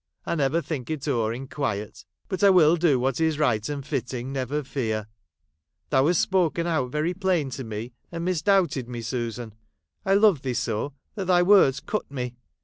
I never think it o'er in quiet. But I will do what is right and fitting, never fear. Thou hast spoken out very plain to me ; :md misdoubted me, Susan; I love thee so, that thy words cut me.